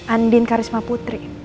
andin karisma putri